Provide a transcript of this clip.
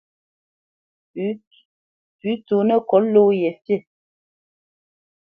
Pʉ̌ tsónə́ kot ló ye fî.